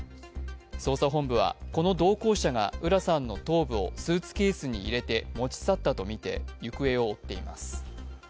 捜査本部はこの同行者が浦さんの頭部をスーツケースに入れて持ち去ったとみて行方を追っています。